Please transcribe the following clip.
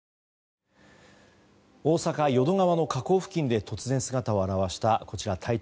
大阪・淀川の河口付近で突然姿を現したこちら体長